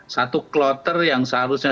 satu kloter yang seharusnya